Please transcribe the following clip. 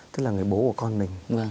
tức là người bố của con mình